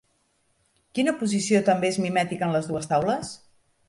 Quina posició també és mimètica en les dues taules?